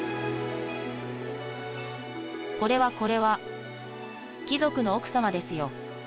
これはこれは貴族の奥様ですよ。